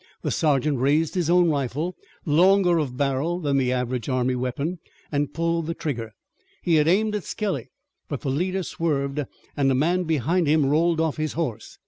The sergeant raised his own rifle, longer of barrel than the average army weapon, and pulled the trigger. He had aimed at Skelly, but the leader swerved, and a man behind him rolled off his horse.